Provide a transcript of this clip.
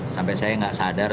sampai saya nggak sadar